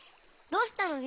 どうしたの？